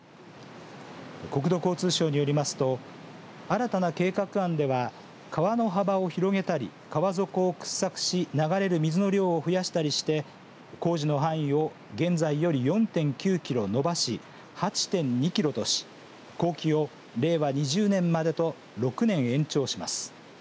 国土交通省によりますと新たな計画案では川の幅を広げたり川底を掘削し流れる水の量を増やしたりして工事の範囲を、現在より４．９キロ延ばし８．２キロとし後期を令和２０年までと６年延長します。